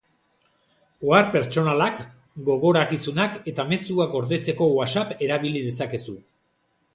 Ohar pertsonalak, gogorakizunak eta mezuak gordetzeko Whatsapp erabili dezakezu.